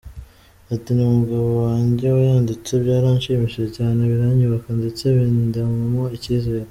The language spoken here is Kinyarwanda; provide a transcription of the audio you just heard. Ati “Ni umugabo wanjye wayanditse, byaranshimishije cyane, biranyubaka ndetse bindemamo icyizere.